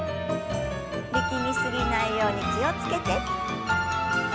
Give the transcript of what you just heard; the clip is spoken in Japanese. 力み過ぎないように気を付けて。